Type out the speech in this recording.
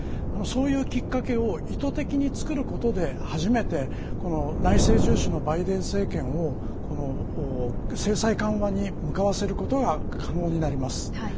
そういうきっかけを意図的につくることで初めてこの内政重視のバイデン政権を制裁緩和に向かわせることが可能になります。